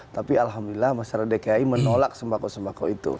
tapi alhamdulillah masyarakat dki menolak sembako sembako itu